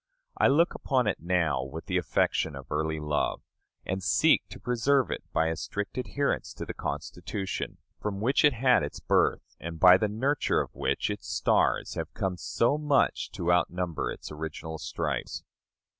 I look upon it now with the affection of early love, and seek to preserve it by a strict adherence to the Constitution, from which it had its birth, and by the nurture of which its stars have come so much to outnumber its original stripes.